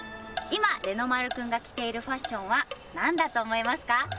今レノ丸君が着ているファッションはなんだと思いますか？